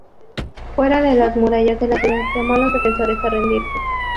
Fuera de las murallas de la ciudad, llamó a los defensores a rendirse.